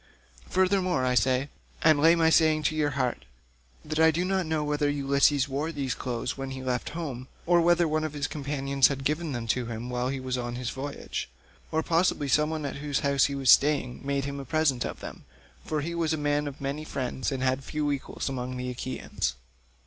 Furthermore I say, and lay my saying to your heart, that I do not know whether Ulysses wore these clothes when he left home, or whether one of his companions had given them to him while he was on his voyage; or possibly some one at whose house he was staying made him a present of them, for he was a man of many friends and had few equals among the Achaeans.